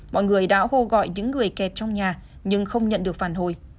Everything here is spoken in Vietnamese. mọi người đã hô gọi những người kẹt trong nhà nhưng không nhận được phản hồi